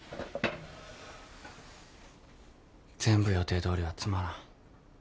全部予定どおりはつまらん。